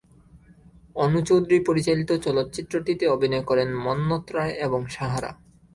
অনু চৌধুরী পরিচালিত চলচ্চিত্রটিতে অভিনয় করেন মন্মথ রায় এবং সাহারা।